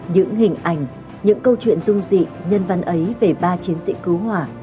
những hình ảnh những câu chuyện dung dị nhân văn ấy về ba chiến sĩ cứu hỏa